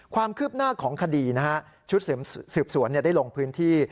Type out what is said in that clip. ความคืบหน้าของคดีนะฮะชุดสืบสวนได้ลงพื้นที่